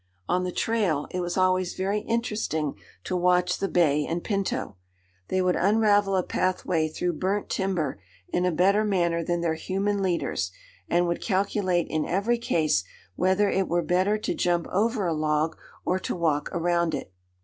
On the trail, it was always very interesting to watch the Bay and Pinto. They would unravel a pathway through burnt timber in a better manner than their human leaders, and would calculate in every case whether it were better to jump over a log or to walk around it.